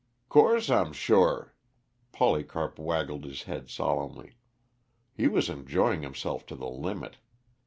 "'Course I'm sure." Polycarp waggled his head solemnly. He was enjoying himself to the limit.